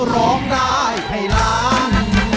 ร้องได้ให้ล้าน